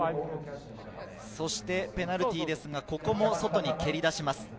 そしてペナルティーですが、ここも外に蹴り出します。